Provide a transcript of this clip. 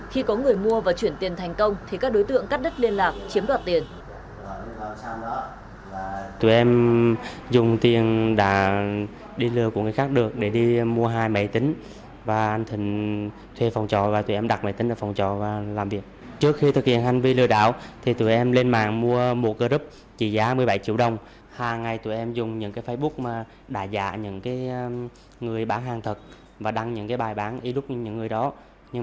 khi có người mua và chuyển tiền thành công thì các đối tượng cắt đứt liên lạc chiếm đoạt tiền